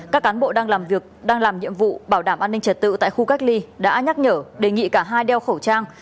các cán bộ đang làm nhiệm vụ bảo đảm an ninh trật tự tại khu cách ly đã nhắc nhở đề nghị cả hai đeo khẩu trang